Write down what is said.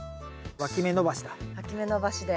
わき芽伸ばしで。